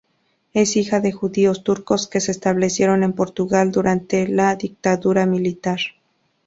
Es hija de judíos turcos que se establecieron en Portugal durante la Dictadura Militar.